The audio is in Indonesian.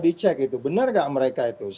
dicek itu benar nggak mereka itu